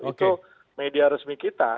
itu media resmi kita